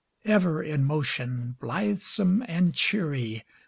Ever in motion, Blithesome and cheery.